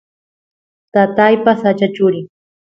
tataypa sacha churi